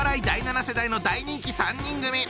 第７世代の大人気３人組！